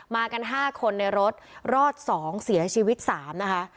กัน๕คนในรถรอด๒เสียชีวิต๓นะคะ